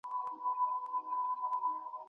ټیلیفون کې خبرې کول د پلی تګ سره مرسته کوي.